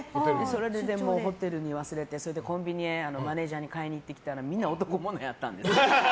それでホテルに忘れてそれでコンビニへマネジャーが買ってきたらみんな男物やったんですよ。